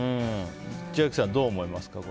千秋さん、どう思いますか？